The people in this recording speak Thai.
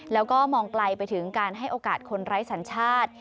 แล้วก็มองไกลไปถึงการให้โอกาสคนไร้สัญชาติ